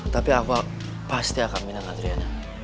tapi aku pasti akan pindah sama adriana